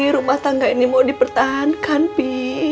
rumah tangga ini mau dipertahankan pi